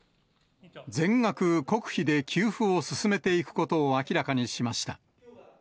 全額国費で給付を進めていくことを明らかにしました。